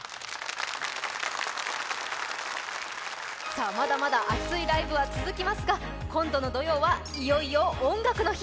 さあまだまだ熱いライブは続きますが今度の土曜はいよいよ「音楽の日」